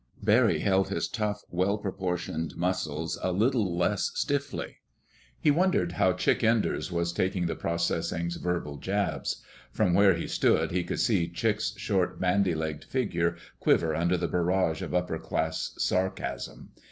Barry held his tough, well proportioned muscles a little less stiffly. He wondered how Chick Enders was taking the processor's verbal jabs. From where he stood he could see Chick's short, bandy legged figure quiver under the barrage of upperclass sarcasm.